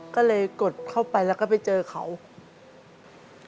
ก็เลยกดเข้าไปแล้วก็ไปพบรักกันได้ยังไง